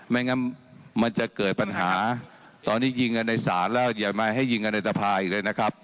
ไม่งั้นมันจะเกิดปัญหาตอนนี้ยิงกันในศาลแล้วอย่ามาให้ยิงกันในสภาอีกเลยนะครับ